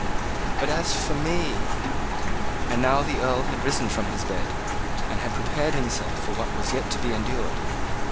But as for me " And now the Earl had risen from his bed, and had prepared himself for what was yet to be endured.